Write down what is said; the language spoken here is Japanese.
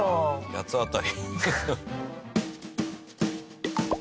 八つ当たり。